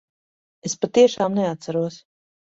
Es patiešām neatceros.